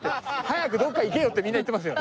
早くどこか行けよってみんな言ってますよ。